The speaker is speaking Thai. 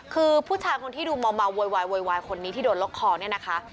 คือผู้ชายคนที่ดูมาวคนที่โดนล็อกคอเนี่ยนะคะ